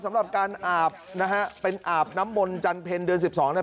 สำหรับการอาบน้ำมนต์จันทร์เพลินเดือน๑๒นั้น